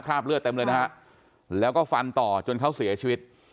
เลือดเต็มเลยนะฮะแล้วก็ฟันต่อจนเขาเสียชีวิต